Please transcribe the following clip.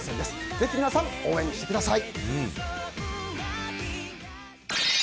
ぜひ皆さん、応援してください。